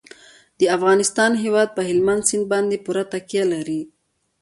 د افغانستان هیواد په هلمند سیند باندې پوره تکیه لري.